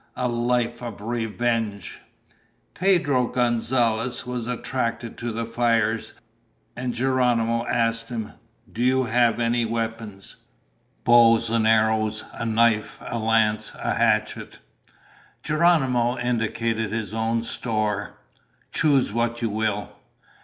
A life of revenge! Pedro Gonzalez was attracted to the fires, and Geronimo asked him, "Do you have weapons?" "Bow and arrows, a knife, a lance, a hatchet." Geronimo indicated his own store. "Choose what you will."